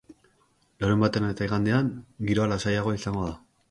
Larunbatean eta igandean, giroa lasaiagoa izango da.